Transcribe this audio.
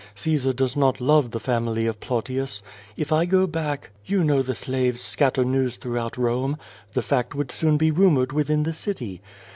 Caesar does not love the family of Plautius. If I go back — you know the slaves scatter news throughout Rome — the fact would soon be rumored within the city.